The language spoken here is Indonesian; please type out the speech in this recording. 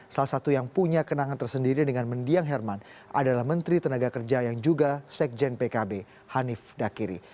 salah satu yang punya kenangan tersendiri dengan mendiang herman adalah menteri tenaga kerja yang juga sekjen pkb hanif dakiri